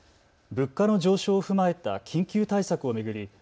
物価の上昇を踏まえた緊急対策を巡り